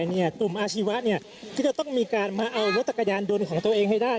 ฝั่งกฏมอาชีวะที่จะต้องมีการมาเอารถตากยานโดนของต๊วยเองให้ได้